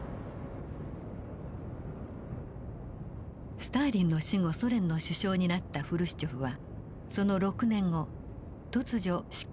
スターリンの死後ソ連の首相になったフルシチョフはその６年後突如失脚します。